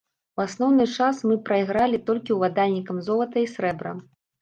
У асноўны час мы прайгралі толькі ўладальнікам золата і срэбра!